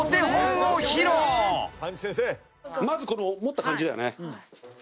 まず持った感じだよね。